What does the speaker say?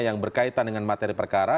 yang berkaitan dengan materi perkara